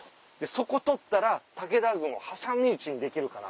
そこ取ったら武田軍を挟み撃ちにできるから。